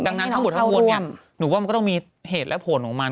ดังนั้นถ้าบุตรเข้าร่วมนี้หนูว่ามันก็ต้องมีเหตุและผลของมัน